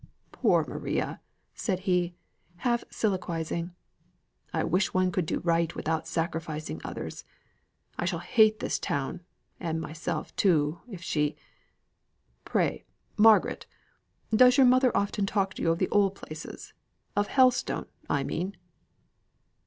"Poor Maria!" said he, half soliloquising, "I wish one could do right without sacrificing others. I shall hate this town, and myself too, if she . Pray, Margaret, does your mother often talk to you of the old places: of Helstone, I mean."